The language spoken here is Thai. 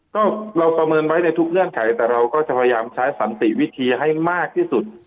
ก็เราประเมินไว้ในทุกเงื่อนไขแต่เราก็จะพยายามใช้สันติวิธีให้มากที่สุด